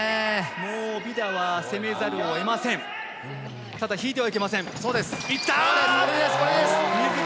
もうビダは攻めざるをえませただ、引いてはいけません。